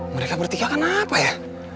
mereka bertiga kan apa ya